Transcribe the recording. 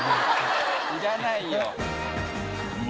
いらないよ。